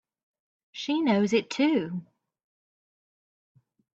She knows it too!